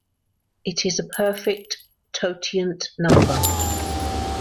It is a perfect totient number.